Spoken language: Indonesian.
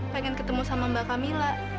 pengen ketemu sama mbak camilla